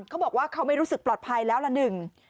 เขาบอกว่าเขาไม่รู้สึกปลอดภัยแล้วละหนึ่ง